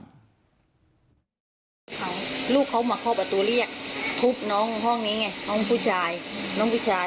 แล้วก็ช่วยกันนำนายธีรวรรษส่งโรงพยาบาล